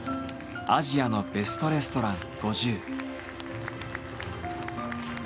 アジアのベストレストラン５０。